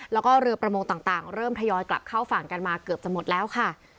แล้วก็เรือประมงต่างเริ่มทยอยกลับเข้าฝั่งกันมาเกือบจะหมดแล้วค่ะ